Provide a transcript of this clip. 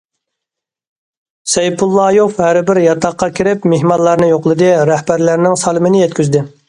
سەيپۇللايوف ھەربىر ياتاققا كىرىپ مېھمانلارنى يوقلىدى، رەھبەرلەرنىڭ سالىمىنى يەتكۈزدى.